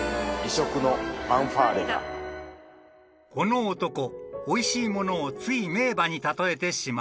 ［この男おいしいものをつい名馬に例えてしまう］